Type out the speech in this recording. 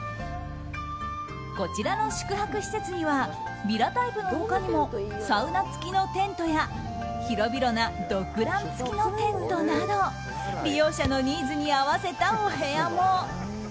こちらの宿泊施設にはヴィラタイプの他にもサウナ付きのテントや広々なドッグラン付きのテントなど利用者のニーズに合わせたお部屋も。